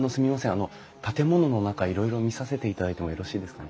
あの建物の中いろいろ見させていただいてもよろしいですかね？